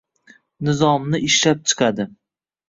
nizomni ishlab chiqadi